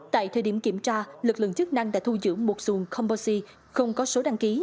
tại thời điểm kiểm tra lực lượng chức năng đã thu giữ một dùng composite không có số đăng ký